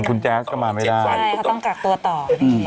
คุณแจ๊สก็มาไม่ได้ใช่เขาต้องกักตัวต่อ